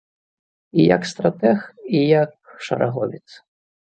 І як стратэг, і як шараговец.